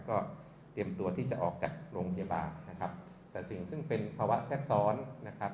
ก็เตรียมตัวที่จะออกจากโรงพยาบาลนะครับแต่สิ่งซึ่งเป็นภาวะแทรกซ้อนนะครับ